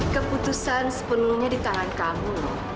keputusan sepenuhnya di tangan kamu